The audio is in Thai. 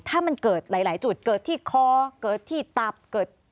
ถ้ามันเกิดหลายจุดเกิดที่คอเกิดที่ตับเกิด